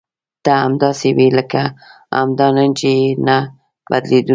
ته همداسې وې لکه همدا نن چې یې نه بدلېدونکې.